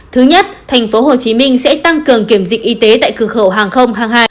thứ nhất tp hcm sẽ tăng cường kiểm dịch y tế tại cửa khẩu hàng không hàng hải